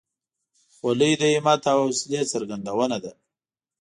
خولۍ د همت او حوصلې څرګندونه ده.